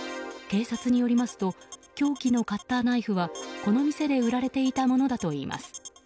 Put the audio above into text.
警察によりますと凶器のカッターナイフはこの店で売られていたものだといいます。